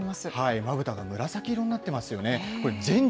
まぶたが紫色になってますよね。